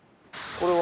これは？